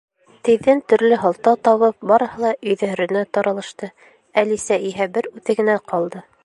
Тиҙҙән төрлө һылтау табып, барыһы ла өйҙәренә таралышты, Әлисә иһә бер үҙе генә ҡалды.